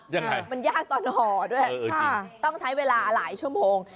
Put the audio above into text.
ยังไงมันยากตอนห่อด้วยต้องใช้เวลาหลายชั่วโมง